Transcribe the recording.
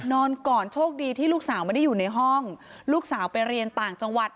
นอนก่อนโชคดีที่ลูกสาวไม่ได้อยู่ในห้องลูกสาวไปเรียนต่างจังหวัด